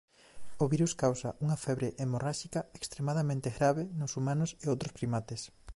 O virus causa unha febre hemorráxica extremadamente grave nos humanos e outros primates.